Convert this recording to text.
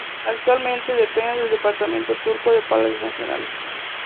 Actualmente, depende del Departamento Turco de Palacios Nacionales.